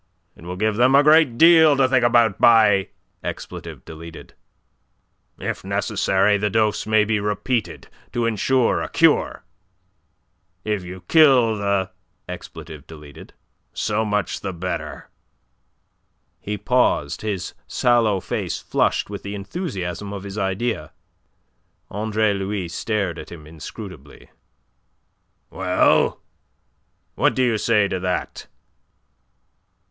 It will give them a great deal to think about, by ! If necessary the dose may be repeated to ensure a cure. If you kill the s, so much the better." He paused, his sallow face flushed with the enthusiasm of his idea. Andre Louis stared at him inscrutably. "Well, what do you say to that?"